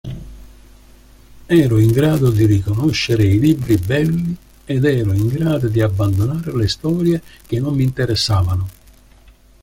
Ero in grado di riconoscere i libri belli ed ero in grado di abbandonare le storie che non mi interessavano.